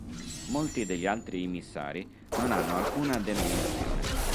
Molti degli altri immissari non hanno alcuna denominazione.